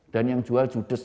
dan yang jual judes